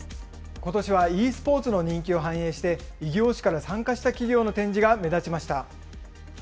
ことしはｅスポーツの人気を反映して、異業種から参加した企業の展示が目立ちました。